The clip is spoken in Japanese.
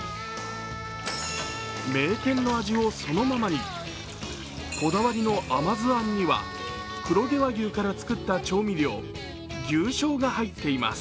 名店の味をそのままに、こだわりの甘酢あんには黒毛和牛から作った調味料牛しょうが入っています。